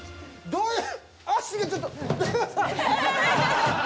どういう。